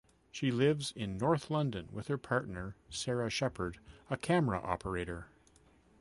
She lives in north London with her partner Sara Shepherd, a camera operator.